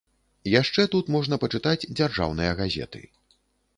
Яшчэ тут можна пачытаць дзяржаўныя газеты.